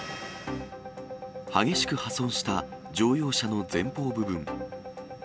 激しく破損した乗用車の前方部分。